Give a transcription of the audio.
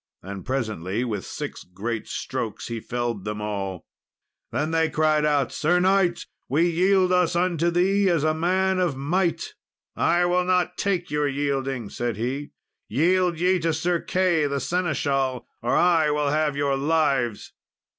And presently, with six great strokes, he felled them all. Then they cried out, "Sir knight, we yield us unto thee, as to a man of might!" "I will not take your yielding!" said he; "yield ye to Sir Key, the seneschal, or I will have your lives."